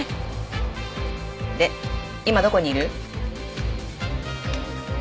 で今どこにいる？